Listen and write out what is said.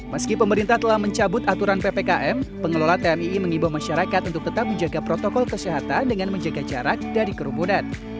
meski pemerintah telah mencabut aturan ppkm pengelola tmii mengibo masyarakat untuk tetap menjaga protokol kesehatan dengan menjaga jarak dari kerumunan